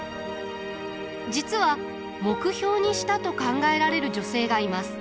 実は目標にしたと考えられる女性がいます。